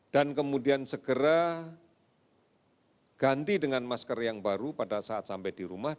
dan kemudian segera ganti dengan masker yang baru pada saat sampai di rumah